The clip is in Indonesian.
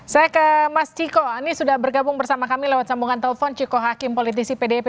saya ke mas ciko ini sudah bergabung bersama kami lewat sambungan telepon ciko hakim politisi pdip